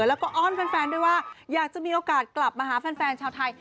แล้วก็อ้อนแฟนด้วยว่าอยากจะมีโอกาสกลับมาหาแฟนชาวไทย